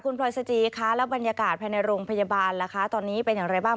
คุณพลอยซาจีแล้วบรรยากาศภายในโรงพยาบาลตอนนี้เป็นอย่างไรบ้าง